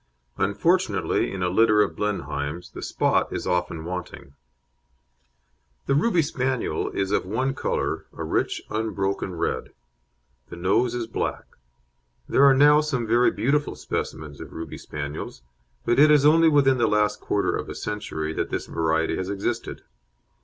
Unfortunately, in a litter of Blenheims the spot is often wanting. The Ruby Spaniel is of one colour, a rich, unbroken red. The nose is black. There are now some very beautiful specimens of Ruby Spaniels, but it is only within the last quarter of a century that this variety has existed.